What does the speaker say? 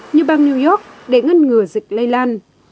như bang new york để ngăn ngừa dịch lây lan